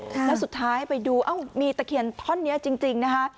แล้วสุดท้ายไปดูเอ้ามีตะเคียนท่อนนี้จริงนะคะ